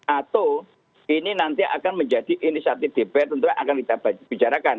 atau ini nanti akan menjadi inisiatif dpr tentunya akan kita bicarakan